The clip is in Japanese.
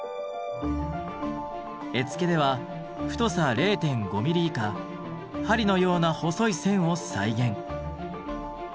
絵付けでは太さ０．５ミリ以下針のような細い線を再現。